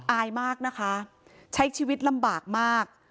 อายมากนะคะใช้ชีวิตลำบากมาก